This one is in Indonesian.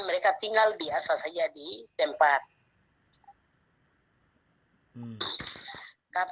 mereka tinggal di asal saja di tempat